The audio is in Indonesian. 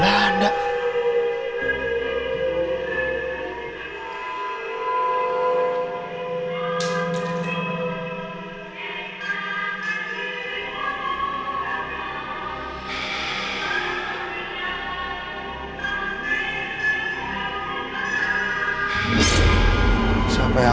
gak ada siapa siapa